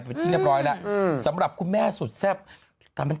เป็นที่เรียบร้อยแล้วสำหรับคุณแม่สุดแซ่บทำให้